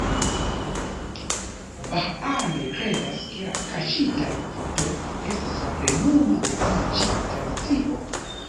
Bahaanoj kredas, ke la "Kaŝitaj Vortoj" estas la plenumo de tiu ĉi tradicio.